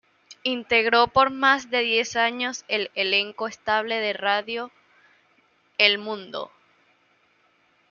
Integró por más de diez años el elenco estable de Radio El Mundo.